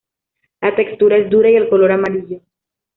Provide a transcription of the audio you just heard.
La textura es dura y el color amarillo.